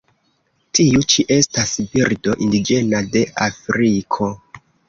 Tiu ĉi estas birdo indiĝena de Afriko.